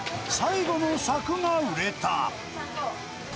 最後の柵が売れた。